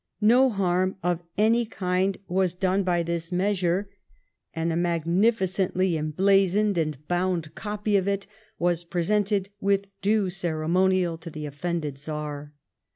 No harm of any kind was done by this measure, and a magnificently emblazoned and bound copy of it was presented with due ceremonial to the offended Czar.